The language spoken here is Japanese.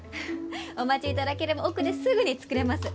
お待ちいただければ奥で、すぐに作れます。